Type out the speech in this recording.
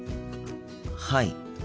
はい。